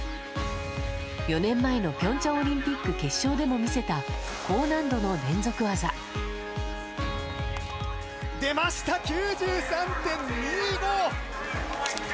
４年前のピョンチャンオリンピック決勝でも見せた、高難度の連続出ました、９３．２５。